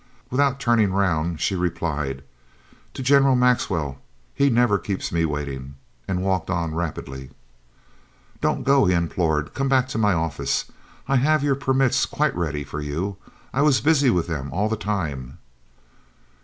Without turning round she replied: "To General Maxwell. He never keeps me waiting," and walked on rapidly. "Don't go," he implored. "Come back to my office. I have your permits quite ready for you. I was busy with them all the time."